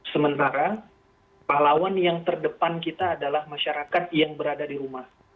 sementara pahlawan yang terdepan kita adalah masyarakat yang berada di rumah